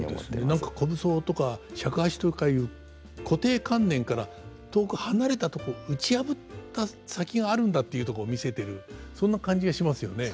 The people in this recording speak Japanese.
何か虚無僧とか尺八とかいう固定観念から遠く離れたとこ打ち破った先があるんだっていうとこ見せてるそんな感じがしますよね。